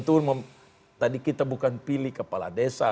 turun tadi kita bukan pilih kepala desa